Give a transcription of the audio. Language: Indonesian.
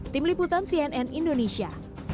tim liputan cnn indonesia